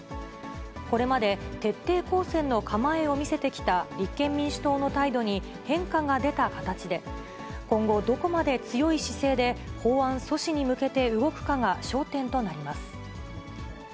これまで徹底抗戦の構えを見せてきた立憲民主党の態度に変化が出た形で、今後、どこまで強い姿勢で法案阻止に向けて動くかが焦点となります。